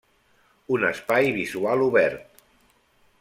Un espai visual obert.